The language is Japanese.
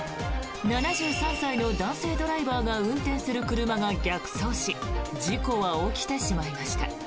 ７３歳の男性ドライバーが運転する車が逆走し事故は起きてしまいました。